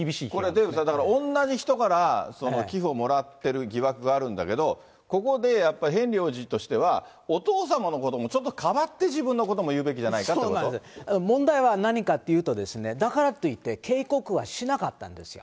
デーブさん、だから同じ人から寄付をもらっている疑惑があるんだけど、ここでやっぱり、ヘンリー王子としては、お父様のこともちょっとかばって、自分のことも言うべきじゃないかということ問題は何かっていうとですね、だからといって、警告はしなかったんですよ。